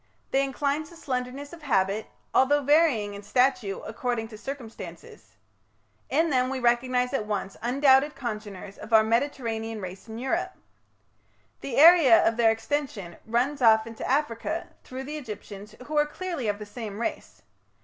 They incline to slenderness of habit, although varying in stature according to circumstances. In them we recognize at once undoubted congeners of our Mediterranean race in Europe. The area of their extension runs off into Africa, through the Egyptians, who are clearly of the same race.